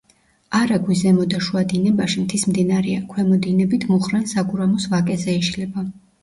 არაგვი ზემო და შუა დინებაში მთის მდინარეა, ქვემო დინებით მუხრან-საგურამოს ვაკეზე იშლება.